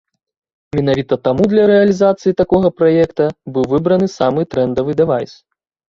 Менавіта таму для рэалізацыі такога праекта быў выбраны самы трэндавы дэвайс.